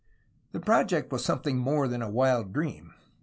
The project was something more than a wild dream.